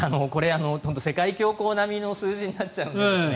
世界恐慌並みの数字になっちゃうんですね。